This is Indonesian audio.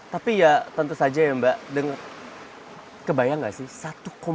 tapi ya tentu saja ya mbak kebayang nggak sih satu dua juta hektar itu luas sekali